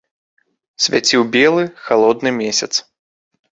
Свяціў белы, халодны месяц.